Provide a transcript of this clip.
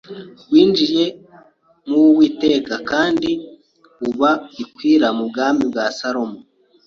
winjiye muw’Uwiteka kandi uba gikwira mu bwami bwa Salomo